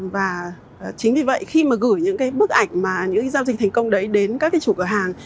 và chính vì vậy khi mà gửi những cái bức ảnh mà những cái giao dịch thành công đấy đến các cái chủ cửa hàng